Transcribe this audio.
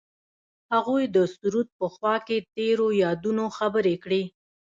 هغوی د سرود په خوا کې تیرو یادونو خبرې کړې.